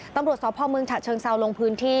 ตำรวจสพเมืองฉะเชิงเซาลงพื้นที่